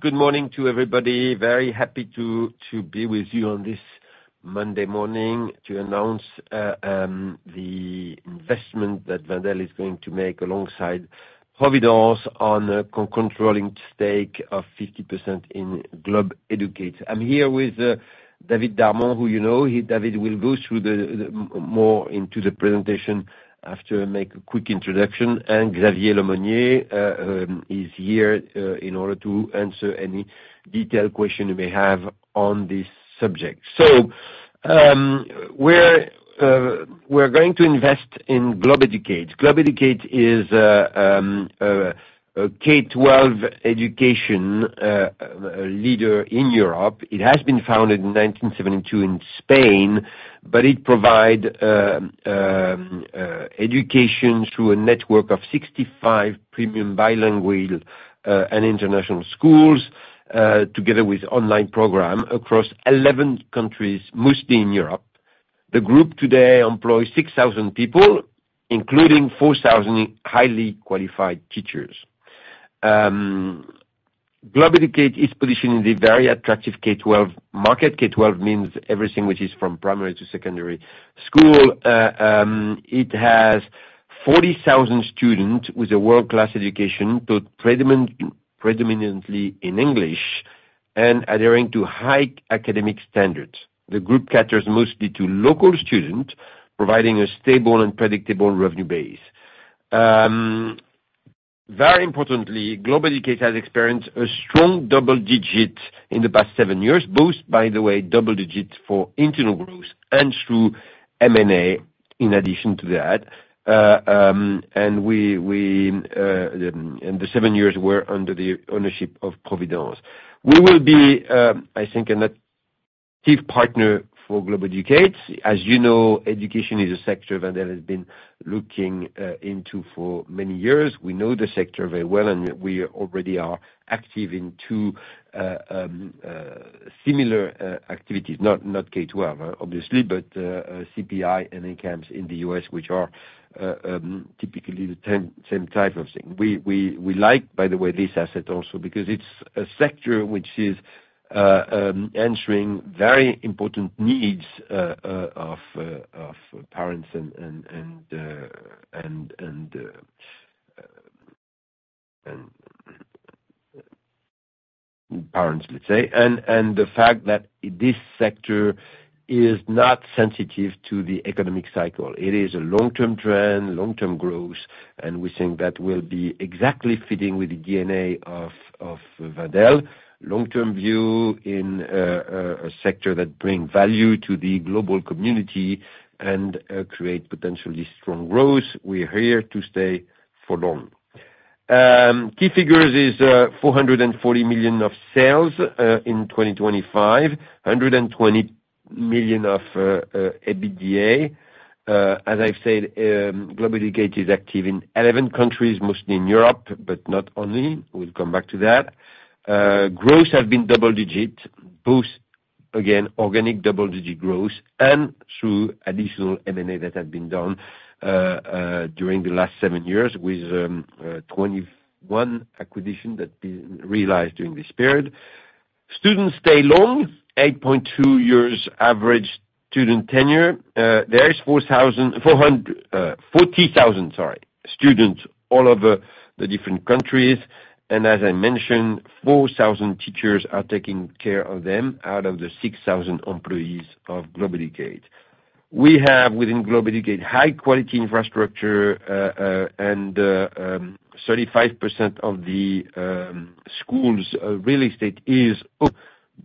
Good morning to everybody. Very happy to, to be with you on this Monday morning to announce, the investment that Wendel is going to make alongside Providence on a co-controlling stake of 50% in Globeducate. I'm here with David Darmon, who you know. David will go through more into the presentation after I make a quick introduction. And Xavier Lemonnier is here in order to answer any detailed question you may have on this subject. So, we're going to invest in Globeducate. Globeducate is a K–12 education leader in Europe. It has been founded in 1972 in Spain, but it provide education through a network of 65 premium bilingual and international schools together with online program across 11 countries, mostly in Europe. The group today employs 6,000 people, including 4,000 highly qualified teachers. Globeducate is positioned in the very attractive K–12 market. K–12 means everything which is from primary to secondary school. It has 40,000 students with a world-class education, taught predominantly in English and adhering to high academic standards. The group caters mostly to local students, providing a stable and predictable revenue base. Very importantly, Globeducate has experienced a strong double digit in the past 7 years, both by the way, double digit for internal growth and through M&A in addition to that. And we, we, in the 7 years were under the ownership of Providence. We will be, I think, an active partner for Globeducate. As you know, education is a sector that has been looking into for many years. We know the sector very well, and we already are active in two similar activities, not K–12, obviously, but CPI and ACAMS in the U.S., which are typically the same type of thing. We like, by the way, this asset also, because it's a sector which is answering very important needs of parents and parents, let's say. And the fact that this sector is not sensitive to the economic cycle. It is a long-term trend, long-term growth, and we think that will be exactly fitting with the DNA of Wendel. Long-term view in a sector that bring value to the global community and create potentially strong growth. We're here to stay for long. Key figures is 440 million of sales in 2025, 120 million of EBITDA. As I've said, Globeducate is active in 11 countries, mostly in Europe, but not only. We'll come back to that. Growth have been double-digit, both, again, organic double-digit growth and through additional M&A that have been done during the last 7 years with 21 acquisition that been realized during this period. Students stay long, 8.2 years average student tenure. There is 44,000, sorry, students all over the different countries, and as I mentioned, 4,000 teachers are taking care of them out of the 6,000 employees of Globeducate. We have, within Globeducate, high-quality infrastructure, and 35% of the schools real estate is owned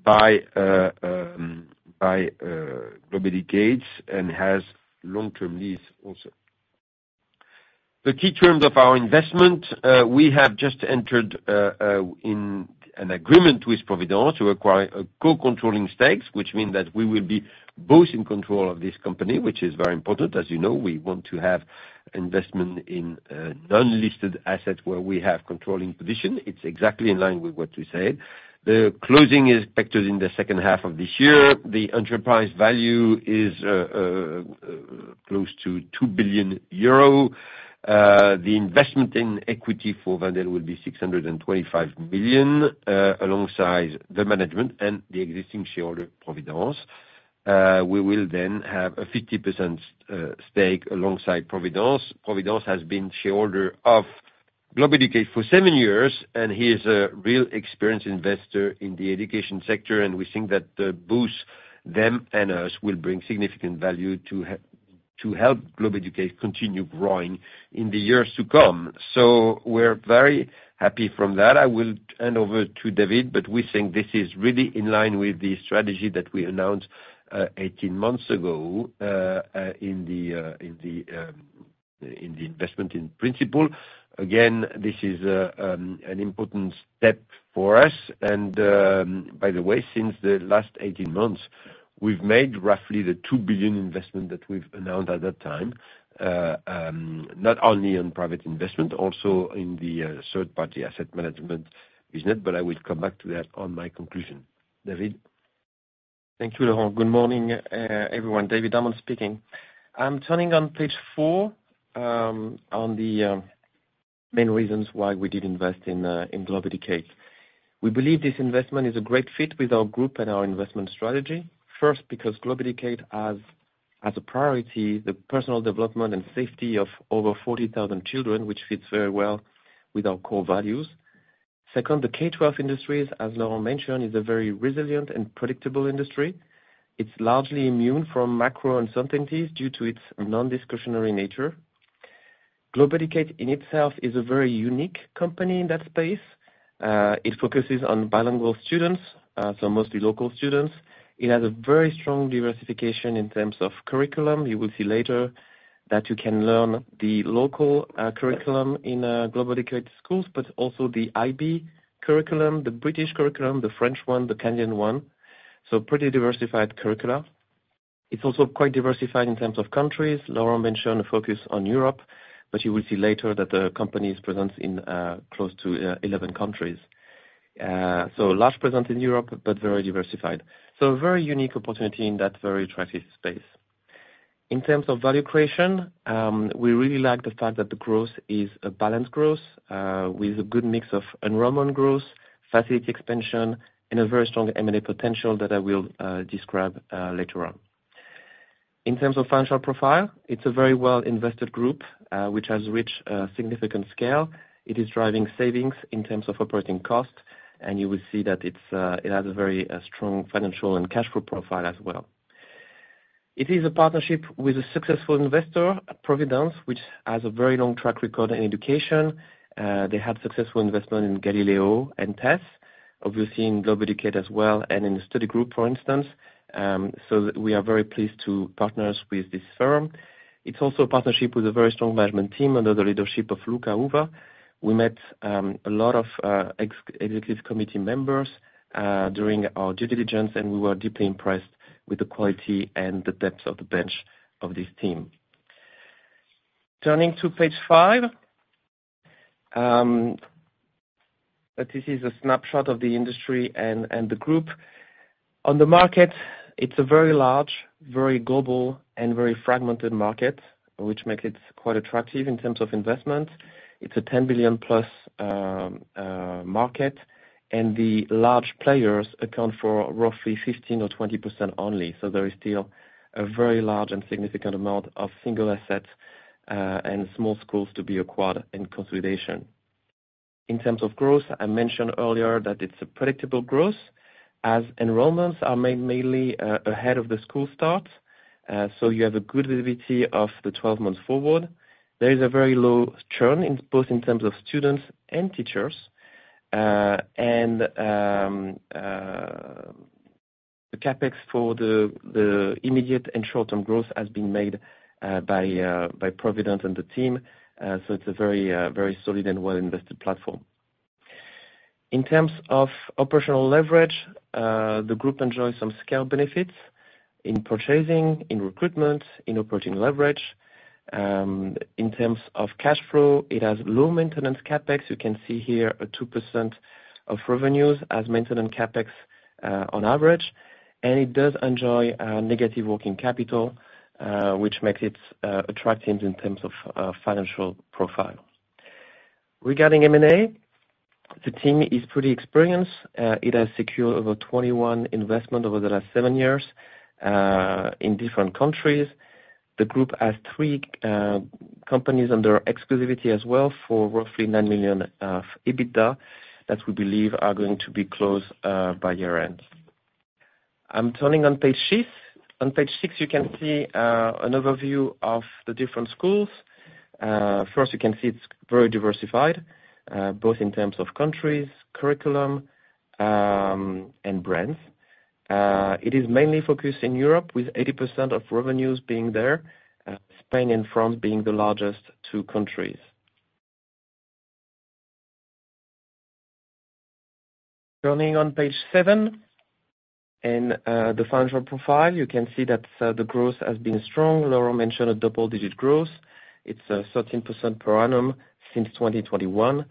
by Globeducate and has long-term lease also. The key terms of our investment, we have just entered in an agreement with Providence to acquire a co-controlling stakes, which means that we will be both in control of this company, which is very important. As you know, we want to have investment in non-listed assets where we have controlling position. It's exactly in line with what we said. The closing is expected in the second half of this year. The enterprise value is close to 2 billion euro. The investment in equity for Wendel will be 625 million, alongside the management and the existing shareholder, Providence. We will then have a 50% stake alongside Providence. Providence has been shareholder of Globeducate for 7 years, and he is a real experienced investor in the education sector, and we think that both them and us will bring significant value to help Globeducate continue growing in the years to come. So we're very happy from that. I will hand over to David, but we think this is really in line with the strategy that we announced 18 months ago in the investment in principle. Again, this is an important step for us, and, by the way, since the last 18 months, we've made roughly 2 billion investment that we've announced at that time, not only on private investment, also in the third-party asset management business, but I will come back to that on my conclusion. David?... Thank you, Laurent. Good morning, everyone, David Darmon speaking. I'm turning on page four, on the main reasons why we did invest in Globeducate. We believe this investment is a great fit with our group and our investment strategy. First, because Globeducate has, as a priority, the personal development and safety of over 40,000 children, which fits very well with our core values. Second, the K–12 industry, as Laurent mentioned, is a very resilient and predictable industry. It's largely immune from macro uncertainties due to its non-discretionary nature. Globeducate in itself is a very unique company in that space. It focuses on bilingual students, so mostly local students. It has a very strong diversification in terms of curriculum. You will see later that you can learn the local curriculum in Globeducate schools, but also the IB curriculum, the British curriculum, the French one, the Canadian one, so pretty diversified curricula. It's also quite diversified in terms of countries. Laurent mentioned a focus on Europe, but you will see later that the company is present in close to 11 countries. So large presence in Europe, but very diversified. So a very unique opportunity in that very attractive space. In terms of value creation, we really like the fact that the growth is a balanced growth with a good mix of enrollment growth, facility expansion, and a very strong M&A potential that I will describe later on. In terms of financial profile, it's a very well-invested group which has reached a significant scale. It is driving savings in terms of operating costs, and you will see that it's, it has a very, strong financial and cash flow profile as well. It is a partnership with a successful investor, Providence, which has a very long track record in education. They had successful investment in Galileo and TES, obviously in Globeducate as well, and in the Study Group, for instance. So we are very pleased to partner with this firm. It's also a partnership with a very strong management team under the leadership of Luca Uva. We met, a lot of, ex-executive committee members, during our due diligence, and we were deeply impressed with the quality and the depth of the bench of this team. Turning to page five, that this is a snapshot of the industry and, and the group. On the market, it's a very large, very global, and very fragmented market, which makes it quite attractive in terms of investment. It's a 10 billion+ market, and the large players account for roughly 15% or 20% only. So there is still a very large and significant amount of single assets, and small schools to be acquired in consolidation. In terms of growth, I mentioned earlier that it's a predictable growth, as enrollments are made mainly ahead of the school start. So you have a good visibility of the 12 months forward. There is a very low churn, in both terms of students and teachers. And the CapEx for the immediate and short-term growth has been made by Providence and the team. So it's a very very solid and well-invested platform. In terms of operational leverage, the group enjoys some scale benefits in purchasing, in recruitment, in operating leverage. In terms of cash flow, it has low maintenance CapEx. You can see here 2% of revenues as maintenance CapEx, on average. It does enjoy negative working capital, which makes it attractive in terms of financial profile. Regarding M&A, the team is pretty experienced. It has secured over 21 investment over the last seven years, in different countries. The group has 3 companies under exclusivity as well, for roughly 9 million of EBITDA, that we believe are going to be closed by year-end. I'm turning on page 6. On page 6, you can see an overview of the different schools. First, you can see it's very diversified, both in terms of countries, curriculum, and brands. It is mainly focused in Europe, with 80% of revenues being there, Spain and France being the largest two countries. Turning to page 7, the financial profile, you can see that the growth has been strong. Laurent mentioned a double-digit growth. It's thirteen percent per annum since 2021.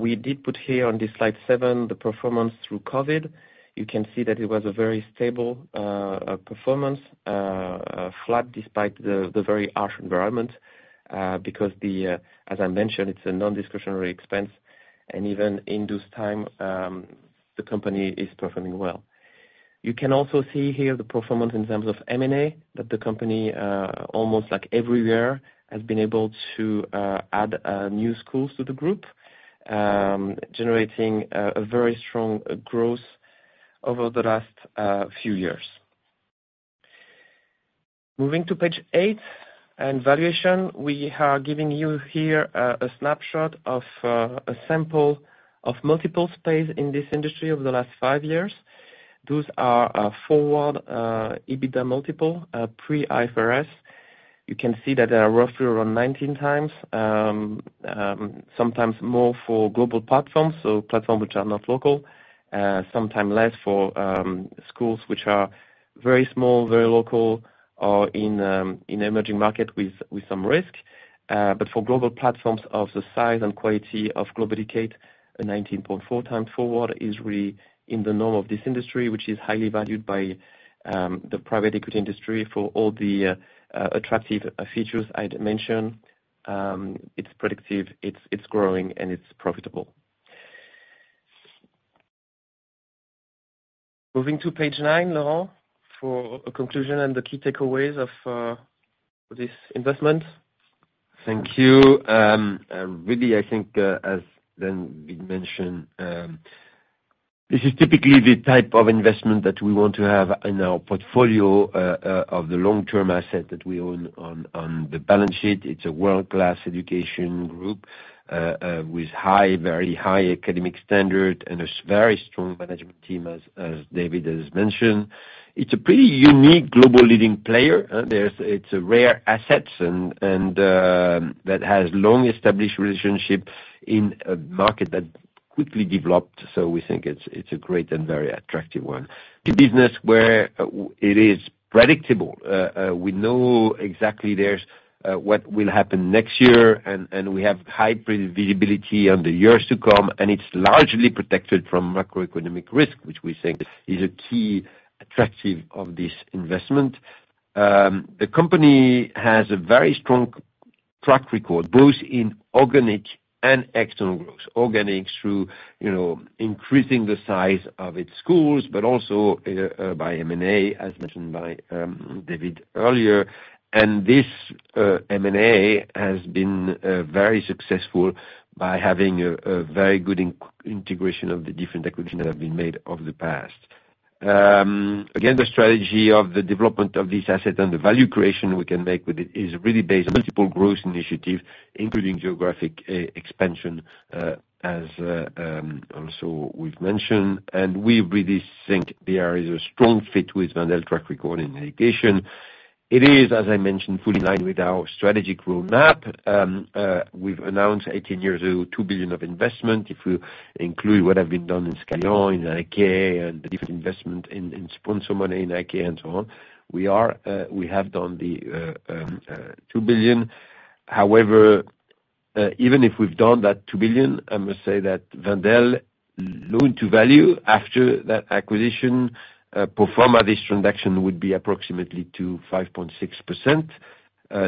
We did put here on this slide 7 the performance through COVID. You can see that it was a very stable performance, flat despite the very harsh environment, because the... As I mentioned, it's a non-discretionary expense, and even in this time, the company is performing well. You can also see here the performance in terms of M&A, that the company almost like everywhere has been able to add new schools to the group, generating a very strong growth over the last few years. Moving to page eight, and valuation, we are giving you here a snapshot of a sample of multiple space in this industry over the last 5 years. Those are forward EBITDA multiple pre-IFRS. You can see that they are roughly around 19x, sometimes more for global platforms, so platforms which are not local, sometime less for schools which are very small, very local in emerging market with some risk. But for global platforms of the size and quality of Globeducate, a 19.4x forward is really in the norm of this industry, which is highly valued by the private equity industry for all the attractive features I'd mentioned. It's predictive, it's growing, and it's profitable. Moving to page nine, Laurent, for a conclusion and the key takeaways of this investment. Thank you. Really, I think, as has been mentioned, this is typically the type of investment that we want to have in our portfolio, of the long-term asset that we own on the balance sheet. It's a world-class education group, with high, very high academic standard and very strong management team, as David has mentioned. It's a pretty unique global leading player, it's a rare asset and that has long-established relationship in a market that quickly developed, so we think it's a great and very attractive one. The business where it is predictable, we know exactly what will happen next year, and we have high predictability on the years to come, and it's largely protected from macroeconomic risk, which we think is a key attractive of this investment. The company has a very strong track record, both in organic and external growth. Organic through, you know, increasing the size of its schools, but also by M&A, as mentioned by David earlier. And this M&A has been very successful by having a very good integration of the different acquisitions that have been made over the past. Again, the strategy of the development of this asset and the value creation we can make with it is really based on multiple growth initiatives, including geographic expansion, as also we've mentioned. We really think there is a strong fit with Wendel track record in education. It is, as I mentioned, fully in line with our strategic roadmap. We've announced 18 years ago, 2 billion of investment. If you include what have been done in Scalian, in IK, and the different investment in, in sponsor money, in IK and so on, we are, we have done the, 2 billion. However, even if we've done that 2 billion, I must say that Wendel loan-to-value after that acquisition, pro forma, this transaction would be approximately 5.6%,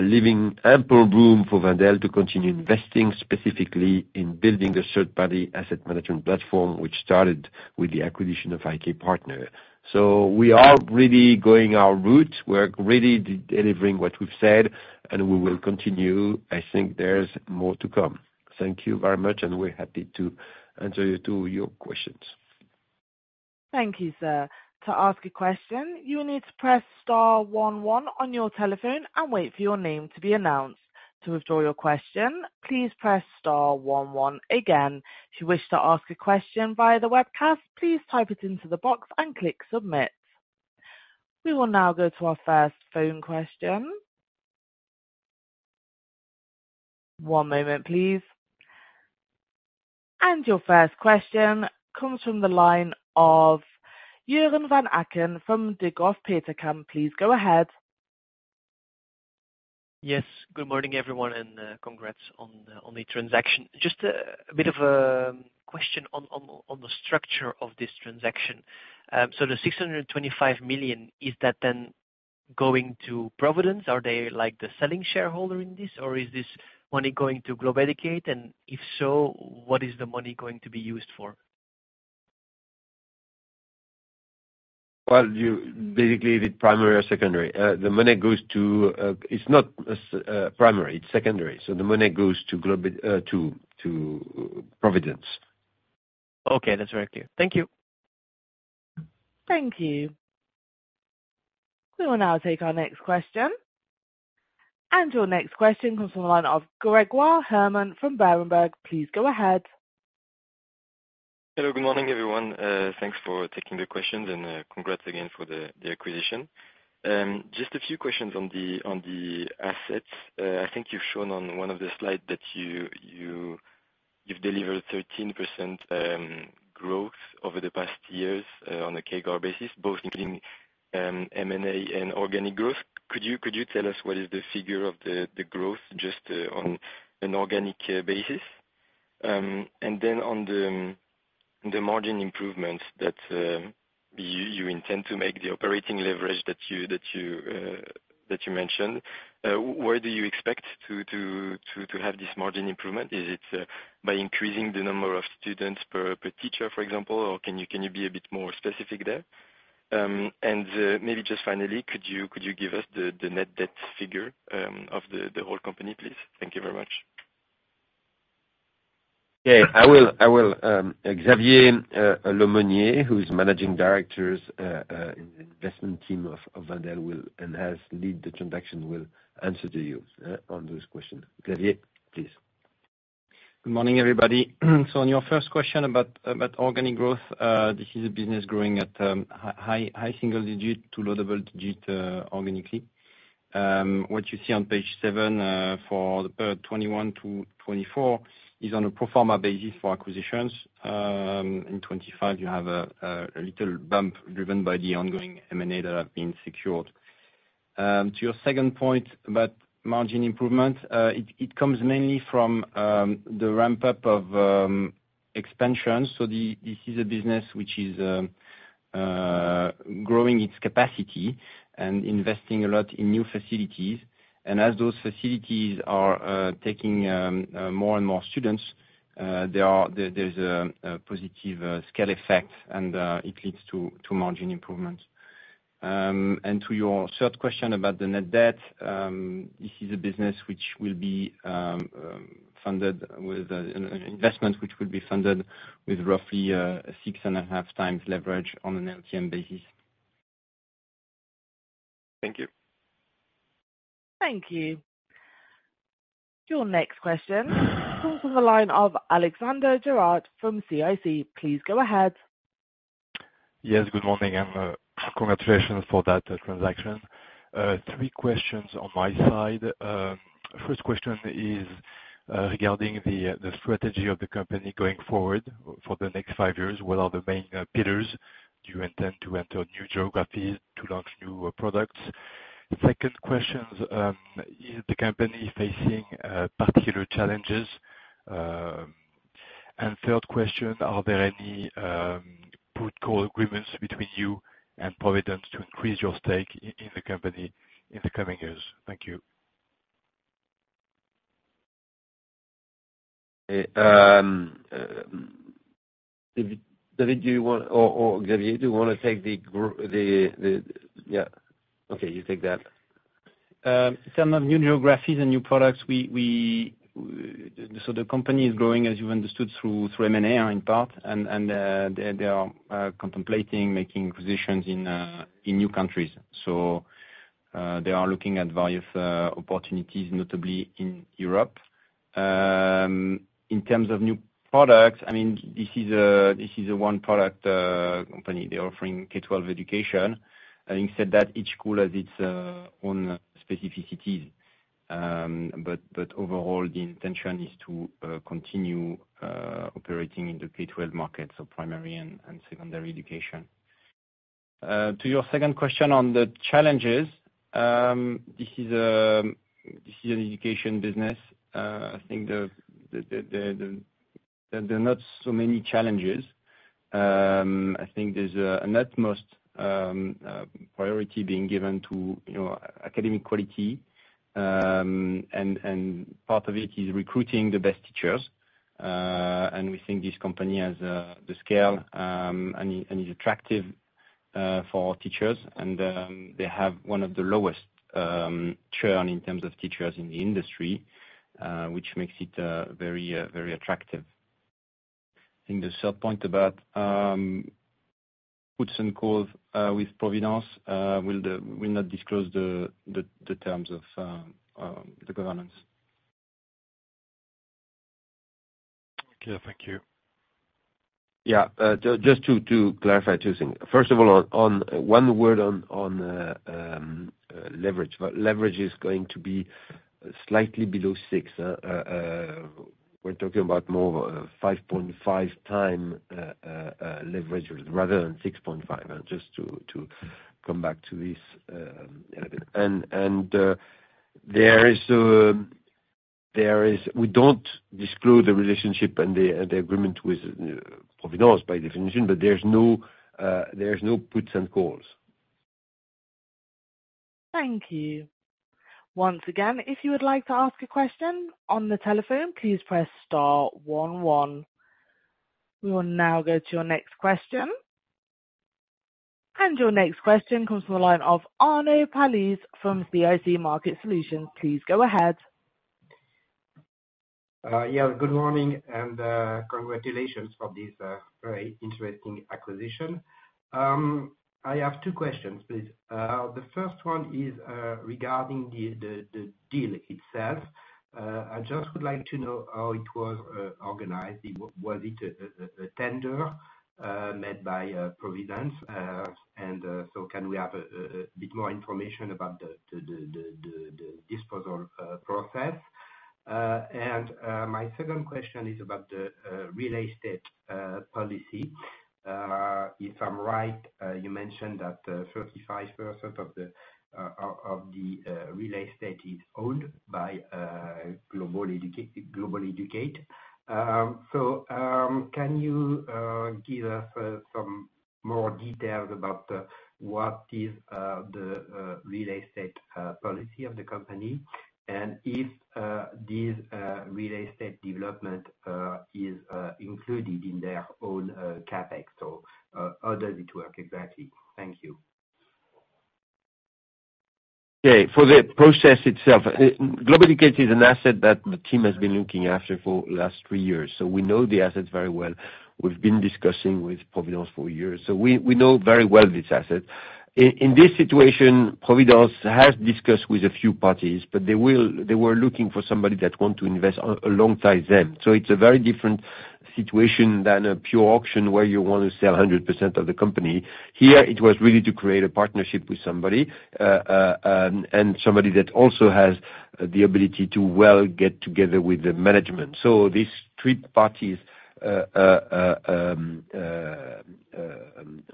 leaving ample room for Wendel to continue investing, specifically in building the third-party asset management platform, which started with the acquisition of IK Partners. So we are really going our route. We're really delivering what we've said, and we will continue. I think there's more to come. Thank you very much, and we're happy to answer your questions. Thank you, sir. To ask a question, you need to press star one one on your telephone and wait for your name to be announced. To withdraw your question, please press star one one again. If you wish to ask a question via the webcast, please type it into the box and click Submit. We will now go to our first phone question. One moment, please. And your first question comes from the line of Joren Van Aken from Degroof Petercam. Please go ahead. Yes, good morning, everyone, and congrats on the transaction. Just a bit of a question on the structure of this transaction. So the 625 million, is that then going to Providence? Are they, like, the selling shareholder in this, or is this money going to Globeducate? And if so, what is the money going to be used for? Well, you basically, the primary or secondary. The money goes to... It's not primary, it's secondary, so the money goes to Global, to Providence. Okay, that's very clear. Thank you. Thank you. We will now take our next question. Your next question comes from the line of Grégoire Hermann from Berenberg. Please go ahead. Hello, good morning, everyone. Thanks for taking the questions, and congrats again for the acquisition. Just a few questions on the assets. I think you've shown on one of the slides that you've delivered 13% growth over the past years on a CAGR basis, both including M&A and organic growth. Could you tell us what is the figure of the growth, just on an organic basis? And then on the margin improvements that you intend to make, the operating leverage that you mentioned, where do you expect to have this margin improvement? Is it by increasing the number of students per teacher, for example? Or can you be a bit more specific there? Maybe just finally, could you give us the net debt figure of the whole company, please? Thank you very much. Yeah, I will, I will. Xavier Lemonnier, who's Managing Director in the investment team of Wendel, will and has lead the transaction, will answer to you on those questions. Xavier, please. Good morning, everybody. So on your first question about organic growth, this is a business growing at high single digit to low double digit organically. What you see on page 7 for the period 2021 to 2024 is on a pro forma basis for acquisitions. In 2025, you have a little bump driven by the ongoing M&A that have been secured.... To your second point about margin improvement, it comes mainly from the ramp up of expansion. So this is a business which is growing its capacity and investing a lot in new facilities. And as those facilities are taking more and more students, there's a positive scale effect, and it leads to margin improvement. And to your third question about the net debt, this is a business which will be funded with an investment which will be funded with roughly 6.5x leverage on an LTM basis. Thank you. Thank you. Your next question comes from the line of Alexandre Gérard from CIC. Please go ahead. Yes, good morning, and, congratulations for that transaction. Three questions on my side. First question is, regarding the strategy of the company going forward for the next five years. What are the main pillars? Do you intend to enter new geographies to launch new products? Second question, is the company facing particular challenges? And third question, are there any put call agreements between you and Providence to increase your stake in the company in the coming years? Thank you. David, do you want... Or Xavier, do you want to take that. Yeah. Okay, you take that. In terms of new geographies and new products, so the company is growing, as you understood, through M&A in part, and they are contemplating making acquisitions in new countries. So, they are looking at various opportunities, notably in Europe. In terms of new products, I mean, this is a one product company. They're offering K-12 education, and instead that each school has its own specificities. But overall, the intention is to continue operating in the K-12 market, so primary and secondary education. To your second question on the challenges, this is an education business. I think there are not so many challenges. I think there's an utmost priority being given to, you know, academic quality. Part of it is recruiting the best teachers. We think this company has the scale and is attractive for teachers. They have one of the lowest churn in terms of teachers in the industry, which makes it very, very attractive. The third point about puts and calls with Providence, we'll not disclose the terms of the governance. Okay, thank you. Yeah, just to clarify two things. First of all, one word on leverage. Leverage is going to be slightly below 6. We're talking about more 5.5 times leverage rather than 6.5, just to come back to this. And we don't disclose the relationship and the agreement with Providence by definition, but there's no puts and calls. Thank you. Once again, if you would like to ask a question on the telephone, please press star one one. We will now go to your next question. Your next question comes from the line of Arnaud Palliez from CIC Market Solutions. Please go ahead. Yeah, good morning, and congratulations for this very interesting acquisition. I have two questions, please. The first one is regarding the deal itself. I just would like to know how it was organized. Was it a tender made by Providence? And so can we have a bit more information about the disposal process? And my second question is about the real estate policy. If I'm right, you mentioned that 35% of the real estate is owned by Globeducate. So, can you give us some more details about what is the real estate policy of the company? If this real estate development is included in their own CapEx? Or how does it work exactly? Thank you. Okay, for the process itself, Globeducate is an asset that the team has been looking after for last three years, so we know the assets very well. We've been discussing with Providence for years, so we know very well this asset. In this situation, Providence has discussed with a few parties, but they were looking for somebody that want to invest alongside them, so it's a very different situation than a pure auction, where you want to sell 100% of the company. Here, it was really to create a partnership with somebody, and somebody that also has the ability to well get together with the management. So these three parties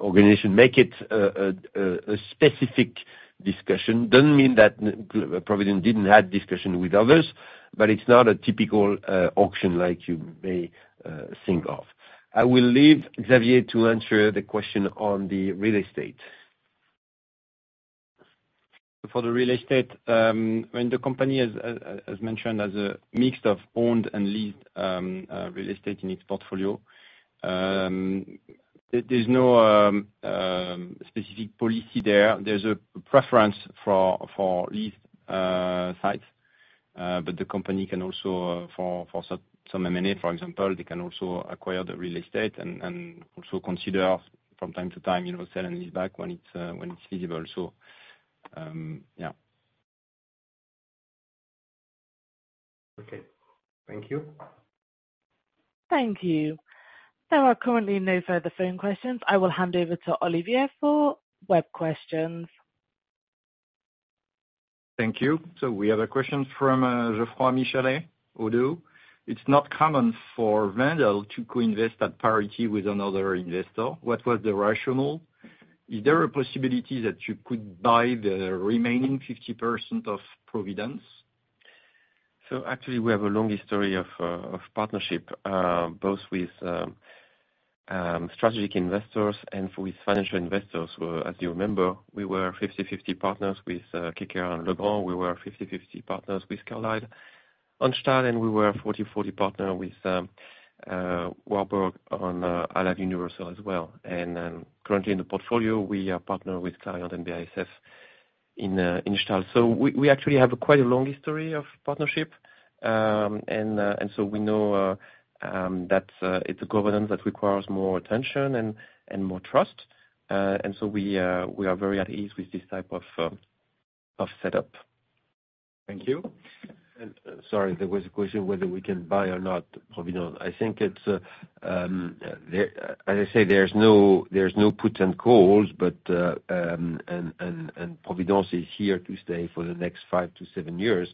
organization make it a specific discussion. Doesn't mean that Providence didn't have discussion with others, but it's not a typical auction like you may think of. I will leave Xavier to answer the question on the real estate. For the real estate, when the company has, as mentioned, has a mix of owned and leased real estate in its portfolio, there, there's no specific policy there. There's a preference for leased sites, but the company can also, for some M&A, for example, they can also acquire the real estate and also consider from time to time, you know, selling it back when it's feasible. So, yeah. Okay, thank you. Thank you. There are currently no further phone questions. I will hand over to Olivier for web questions. Thank you. So we have a question from Geoffroy Michalet, ODDO. It's not common for Wendel to co-invest at parity with another investor. What was the rationale? Is there a possibility that you could buy the remaining 50% of Providence? So actually, we have a long history of partnership, both with strategic investors and with financial investors, who, as you remember, we were 50/50 partners with Schneider and Legrand. We were 50/50 partners with Carlyle. On Stahl, and we were 40/40 partner with Warburg on Allied Universal as well. And currently in the portfolio, we are partnered with Clariant and BASF in Stahl. So we actually have quite a long history of partnership. And so we know that it's a governance that requires more attention and more trust. And so we are very at ease with this type of setup. Thank you. Sorry, there was a question whether we can buy or not Providence. I think it's, as I say, there's no puts and calls, but Providence is here to stay for the next five to seven years.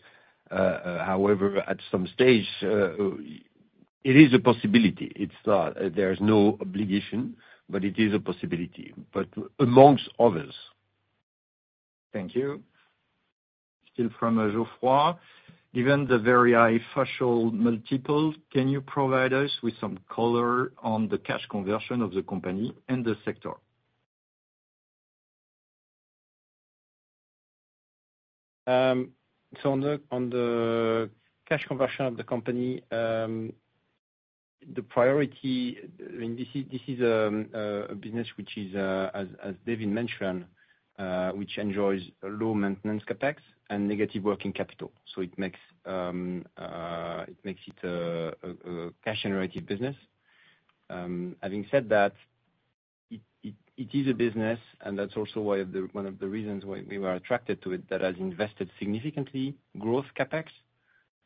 However, at some stage, it is a possibility. It's, there's no obligation, but it is a possibility, but amongst others. Thank you. Still from Geoffroy. Given the very high valuation multiples, can you provide us with some color on the cash conversion of the company and the sector? So on the cash conversion of the company, I mean, this is a business which is, as David mentioned, which enjoys low maintenance CapEx and negative working capital. So it makes it a cash-generative business. Having said that, it is a business, and that's also why one of the reasons why we were attracted to it, that has invested significantly growth CapEx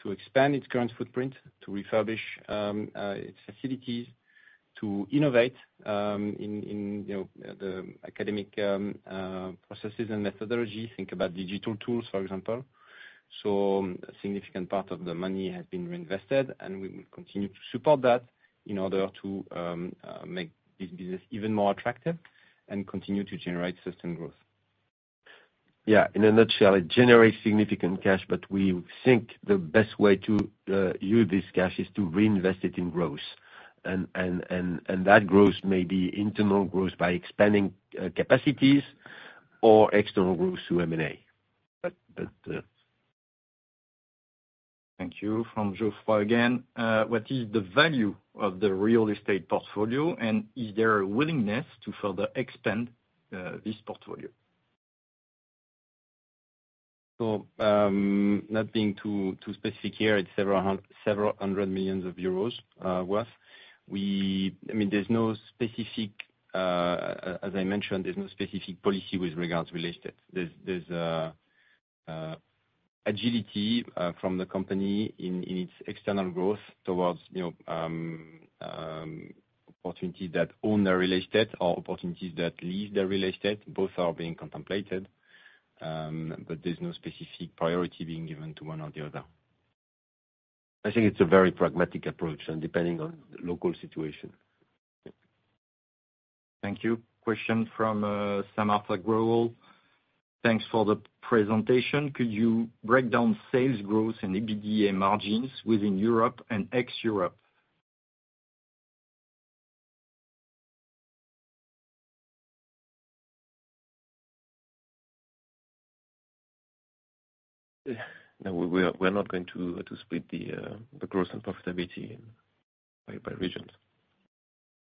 to expand its current footprint, to refurbish its facilities, to innovate in, you know, the academic processes and methodology. Think about digital tools, for example. A significant part of the money has been reinvested, and we will continue to support that in order to make this business even more attractive and continue to generate sustained growth. Yeah, in a nutshell, it generates significant cash, but we think the best way to use this cash is to reinvest it in growth. And that growth may be internal growth by expanding capacities or external growth through M&A. But Thank you. From Geoffroy again. What is the value of the real estate portfolio, and is there a willingness to further expand this portfolio? Not being too specific here, it's several hundred million EUR worth. I mean, as I mentioned, there's no specific policy with regards to real estate. There's agility from the company in its external growth towards, you know, opportunities that own their real estate or opportunities that lease their real estate. Both are being contemplated, but there's no specific priority being given to one or the other. I think it's a very pragmatic approach and depending on the local situation. Thank you. Question from Samarth Agrawal. Thanks for the presentation. Could you break down sales growth and EBITDA margins within Europe and ex-Europe? No, we're not going to split the growth and profitability by regions.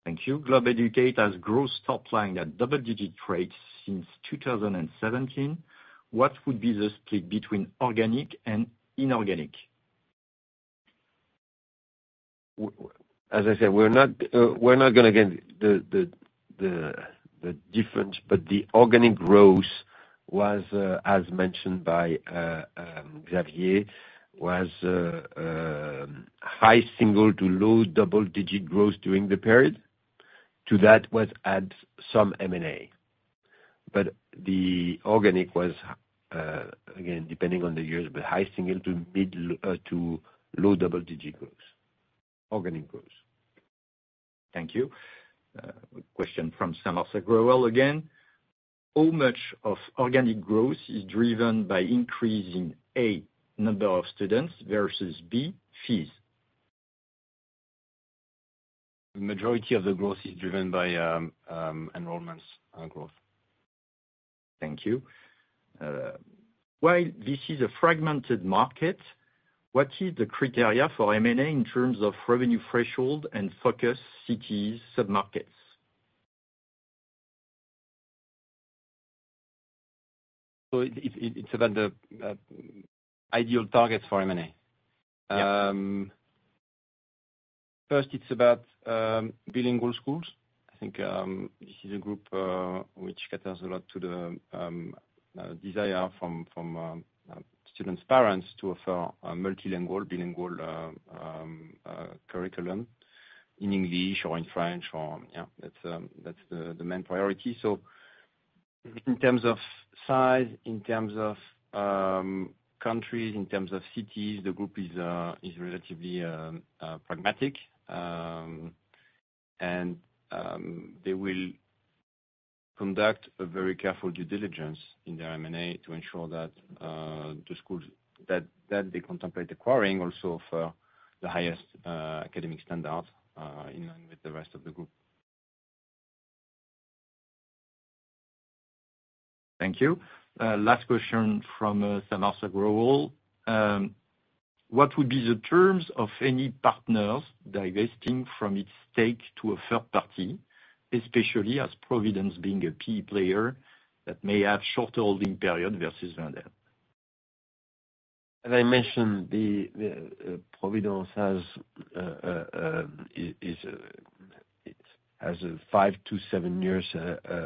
Thank you. Globeducate has grown top line at double-digit rates since 2017. What would be the split between organic and inorganic? As I said, we're not gonna get the difference, but the organic growth was, as mentioned by Xavier, high single-digit to low double-digit growth during the period. To that was add some M&A. But the organic was, again, depending on the years, but high single-digit to mid- to low double-digit growth, organic growth. Thank you. Question from Samarth Agrawal again. How much of organic growth is driven by increase in, A, number of students versus, B, fees? Majority of the growth is driven by enrollments growth. Thank you. While this is a fragmented market, what is the criteria for M&A in terms of revenue threshold and focus cities, submarkets? So it's about the ideal targets for M&A? Yeah. First, it's about bilingual schools. I think this is a group which caters a lot to the desire from students' parents to offer a multilingual, bilingual curriculum in English or in French, or yeah, that's the main priority. So in terms of size, in terms of countries, in terms of cities, the group is relatively pragmatic. And they will conduct a very careful due diligence in their M&A to ensure that the schools that they contemplate acquiring also offer the highest academic standards in line with the rest of the group. Thank you. Last question from Samarth Agrawal. What would be the terms of any partners divesting from its stake to a third party, especially as Providence being a key player that may have short holding period versus Wendel? As I mentioned, the Providence has it has a 5-7 years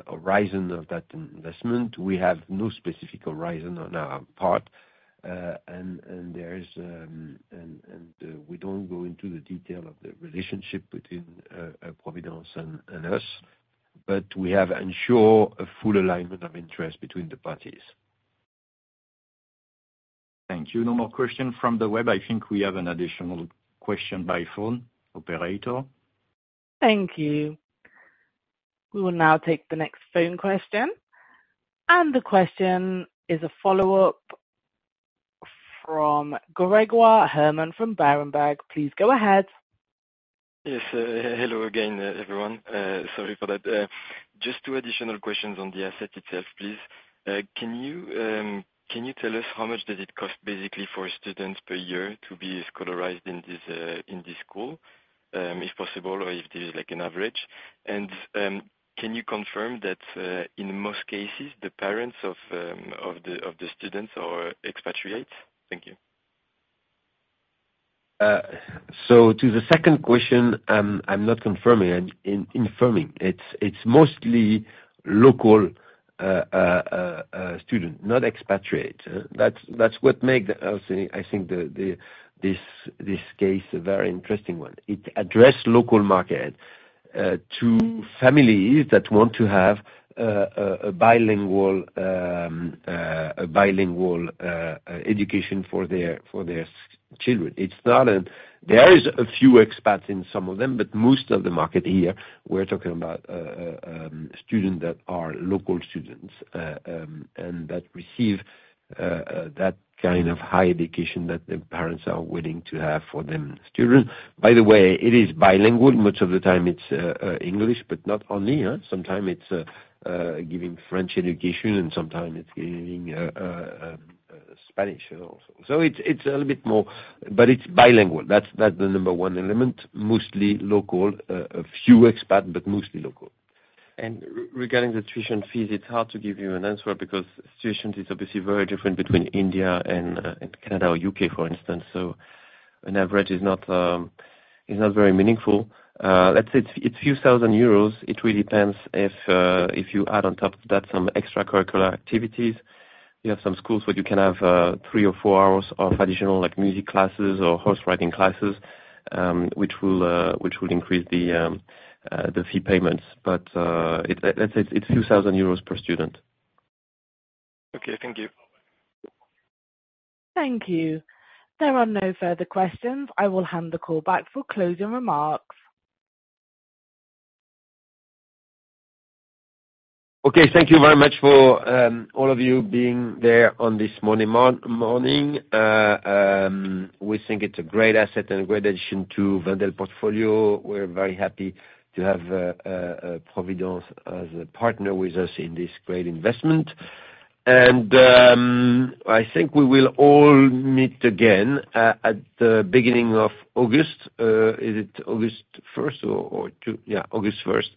horizon of that investment. We have no specific horizon on our part. We don't go into the detail of the relationship between Providence and us, but we have ensured a full alignment of interest between the parties. Thank you. No more questions from the web. I think we have an additional question by phone. Operator? Thank you. We will now take the next phone question, and the question is a follow-up from Grégoire Hermann from Berenberg. Please go ahead. Yes, hello again, everyone. Sorry for that. Just two additional questions on the asset itself, please. Can you tell us how much does it cost, basically, for a student per year to be scholarized in this school? If possible, or if there is, like, an average. And, can you confirm that, in most cases, the parents of the students are expatriates? Thank you. So to the second question, I'm not confirming, I'm informing. It's mostly local student, not expatriate. That's what make the this case a very interesting one. I think. It address local market to families that want to have a bilingual education for their children. It's not a— There is a few expats in some of them, but most of the market here, we're talking about, student that are local students and that receive that kind of high education that the parents are willing to have for them, students. By the way, it is bilingual. Much of the time it's English, but not only, sometimes it's giving French education, and sometimes it's giving Spanish also. So it's, it's a little bit more, but it's bilingual. That's, that's the number one element, mostly local, a few expat, but mostly local. Regarding the tuition fees, it's hard to give you an answer because situations is obviously very different between India and, and Canada or U.K., for instance. So an average is not, is not very meaningful. Let's say it's, it's a few thousand euros. It really depends if, if you add on top of that some extracurricular activities. You have some schools where you can have, three or four hours of additional like music classes or horse riding classes, which will, which will increase the, the fee payments. But, it's, let's say it's a few thousand euros per student. Okay. Thank you. Thank you. There are no further questions. I will hand the call back for closing remarks. Okay. Thank you very much for all of you being there on this morning, morning. We think it's a great asset and a great addition to Wendel portfolio. We're very happy to have Providence as a partner with us in this great investment. I think we will all meet again at the beginning of August. Is it August 1st or 2nd? Yeah, August 1st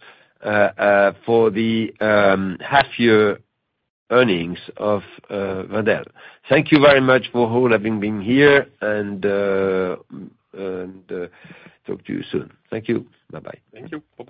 for the half-year earnings of Wendel. Thank you very much for all having been here, and talk to you soon. Thank you. Bye-bye. Thank you.